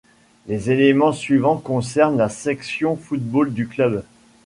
Les éléments suivants concernent la section football du club.